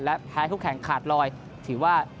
และแพ้คู่แข่งขาดลอยถือว่า